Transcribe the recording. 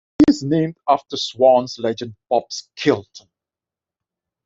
He is named after Swans legend Bob Skilton.